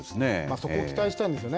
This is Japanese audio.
そこを期待したいですよね。